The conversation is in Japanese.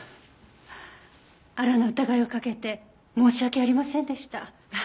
あらぬ疑いをかけて申し訳ありませんでした。